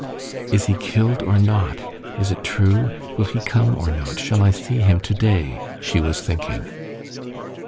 "Is he killed or not? Is it true? Will he come or not? Shall I see him today?" she was thinking.